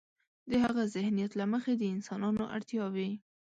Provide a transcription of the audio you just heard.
د هاغه ذهنیت له مخې د انسانانو اړتیاوې.